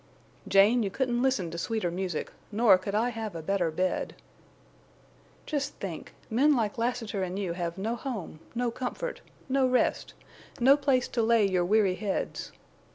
"Jane, you couldn't listen to sweeter music, nor could I have a better bed." "Just think! Men like Lassiter and you have no home, no comfort, no rest, no place to lay your weary heads.